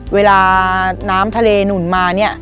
เวลาน้ำทะเลหนุ่นมา